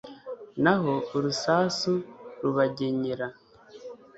Naho urusasu rubagenyera